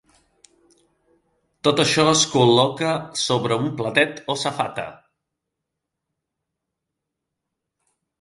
Tot això es col·loca sobre un platet o safata.